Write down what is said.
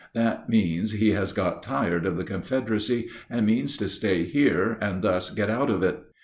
That means he has got tired of the Confederacy and means to stay here and thus get out of it.